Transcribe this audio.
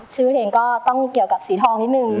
ชื่อเองก็ต้องเกี่ยวกับสีทองนิดนึง